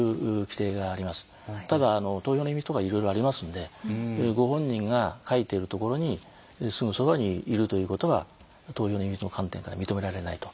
ただ投票の秘密とかいろいろありますんでご本人が書いているところにすぐそばにいるということは投票の秘密の観点から認められないと。